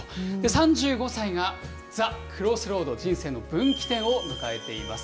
３５歳がＴｈｅＣｒｏｓｓｒｏａｄ、人生の分岐点を迎えています。